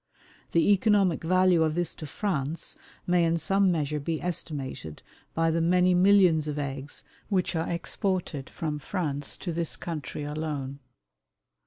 The economic value of this to France may in some measure be estimated by the many millions of eggs which are exported from France to this country alone.